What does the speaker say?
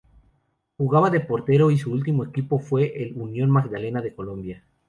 Jugaba de portero y su último equipo fue el Unión Magdalena de Colombia.